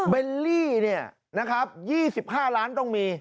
เบลลี่เนี่ยนะครับ๒๕ล้านต้องมี